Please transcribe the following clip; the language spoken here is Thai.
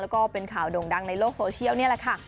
แล้วก็เป็นข่าวโด่งดังในโลกโซเชียลนี่แหละค่ะ